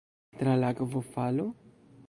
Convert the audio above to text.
Tra la akvofalo?